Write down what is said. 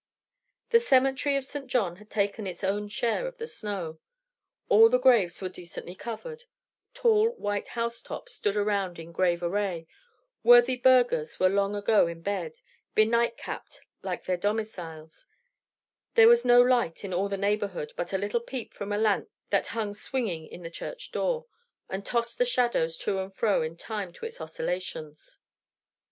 The cemetery of St. John had taken its own share of the snow. All the graves were decently covered; tall, white housetops stood around in grave array; worthy burghers were long ago in bed, benightcapped like their domiciles; there was no light in all the neighborhood but a little peep from a lamp that hung swinging in the church choir, and tossed the shadows to and fro in time to its oscillations.